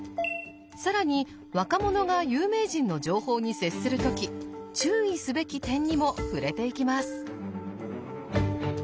更に若者が有名人の情報に接する時注意すべき点にも触れていきます。